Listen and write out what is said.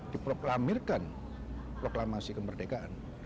di proklamirkan proklamasi kemerdekaan